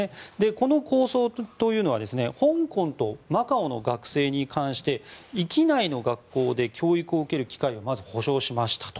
この構想というのは香港とマカオの学生に関して域内の学校で教育を受ける機会をまず保障しました。